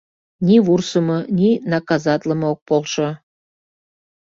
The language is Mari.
Ни вурсымо, ни наказатлыме ок полшо!